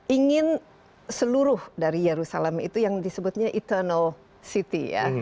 ingin seluruh dari yerusalem itu yang disebutnya eternal city